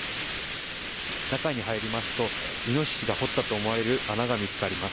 中に入りますとイノシシが掘ったとみられる穴が見つかります。